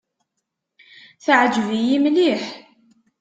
Teɛǧeb-iyi mliḥ.